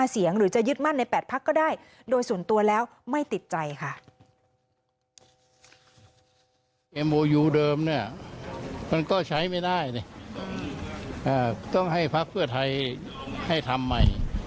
เพราะฉะนั้นแล้วก็คงจะต้องมีการพูดคุยกันครับ